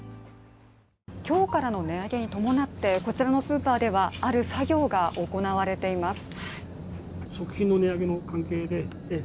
今日からの値上げに伴ってこちらのスーパーではある作業が行われています。